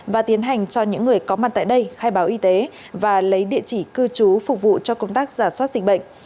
và tiến hành cho những người có mặt tại đây khai báo y tế và lấy địa chỉ cư trú phục vụ cho công tác giả soát dịch bệnh